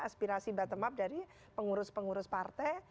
aspirasi bottom up dari pengurus pengurus partai